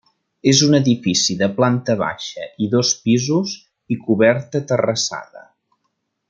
És un edifici de planta baixa i dos pisos i coberta terrassada.